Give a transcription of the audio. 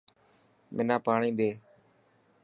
منا پاڻي ڏي.